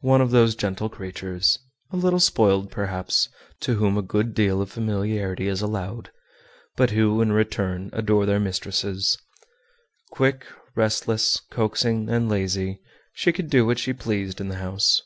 One of those gentle creatures, a little spoiled, perhaps, to whom a good deal of familiarity is allowed, but who in return adore their mistresses. Quick, restless, coaxing, and lazy, she could do what she pleased in the house.